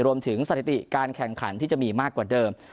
สถิติการแข่งขันที่จะมีมากกว่าเดิม